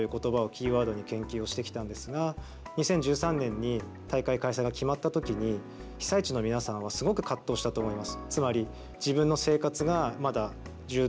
私は復興五輪ということばをキーワードに研究をしてきたんですが２０１３年に大会開催が決まったときに被災地の皆さんはすごく葛藤したと思います。